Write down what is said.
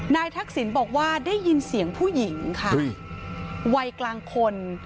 ทักษิณบอกว่าได้ยินเสียงผู้หญิงค่ะวัยกลางคน